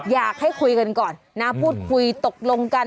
อยากให้คุยกันก่อนนะพูดคุยตกลงกัน